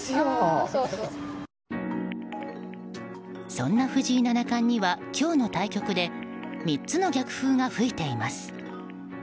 そんな藤井七冠には今日の対局で３つの逆風が吹いています。